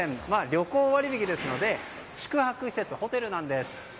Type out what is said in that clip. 旅行割引ですので宿泊施設ホテルなんです。